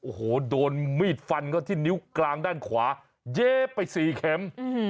โอ้โหโดนมีดฟันเขาที่นิ้วกลางด้านขวาเย็บไปสี่เข็ม